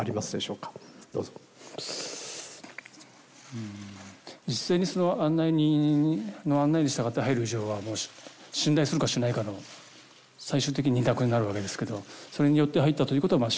うん実際にその案内人の案内に従って入る以上はもう信頼するかしないかの最終的に二択になるわけですけどそれによって入ったということはまあ